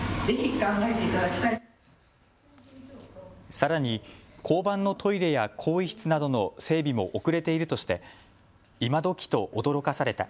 さらに交番のトイレや更衣室などの整備も遅れているとして今どきと驚かされた。